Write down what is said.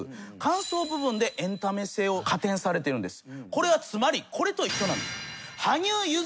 これはつまりこれと一緒なんです。